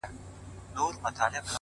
پوهه د محدودیتونو کړکۍ ماتوي,